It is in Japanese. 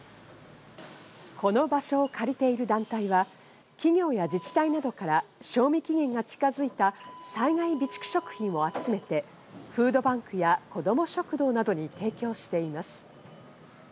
この場所を借りている団体は企業や自治体などから賞味期限が近づいた災害備蓄食品を集めてフードバンクや子供食堂などに提供しています。